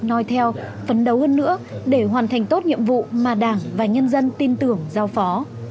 nói theo phấn đấu hơn nữa để hoàn thành tốt nhiệm vụ mà đảng và nhân dân tin tưởng giao phó